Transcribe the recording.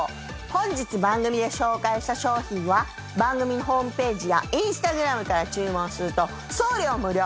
本日番組で紹介した商品は番組のホームページやインスタグラムから注文すると送料無料。